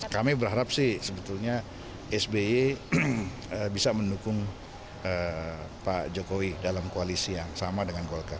kami berharap sih sebetulnya sby bisa mendukung pak jokowi dalam koalisi yang sama dengan golkar